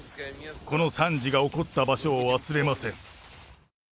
この惨事が起こった場所を忘れません。